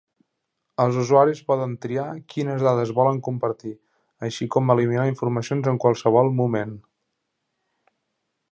Els usuaris poden triar quines dades volen compartir, així com eliminar informacions en qualsevol moment.